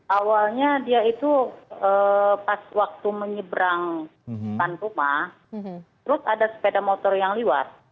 awalnya dia itu pas waktu menyeberang pantuman terus ada sepeda motor yang liwat